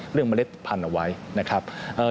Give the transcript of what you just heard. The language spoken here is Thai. เรื่องมะเร็ดพันธุ์เอาไว้